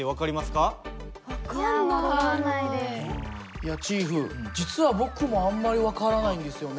いやチーフ実は僕もあんまり分からないんですよね。